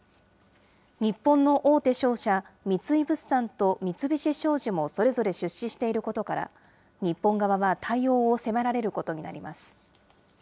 日本の大手商社、三井物産と三菱商事もそれぞれ出資していることから、日本側は対応を迫られることになります。